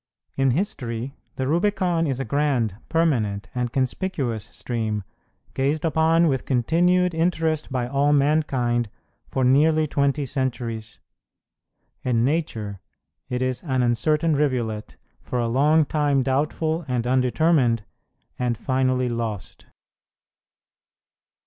In history the Rubicon is a grand, permanent, and conspicuous stream, gazed upon with continued interest by all mankind for nearly twenty centuries; in nature it is an uncertain rivulet, for a long time doubtful and undetermined, and finally lost.